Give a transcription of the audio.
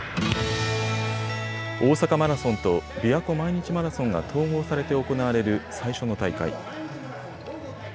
大阪マラソンとびわ湖毎日マラソンが統合されて行われる最初の大会。